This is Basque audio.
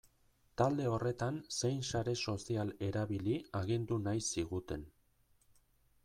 Talde horretan zein sare sozial erabili agindu nahi ziguten.